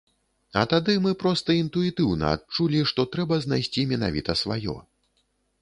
А тады мы проста інтуітыўна адчулі, што трэба знайсці менавіта сваё.